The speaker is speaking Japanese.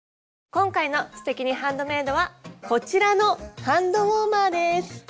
今回の「すてきにハンドメイド」はこちらのハンドウォーマーです。